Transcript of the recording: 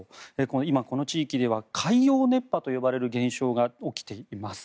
今、この地域では海洋熱波と呼ばれる現象が起きています。